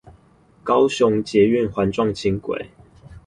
高雄捷運環狀輕軌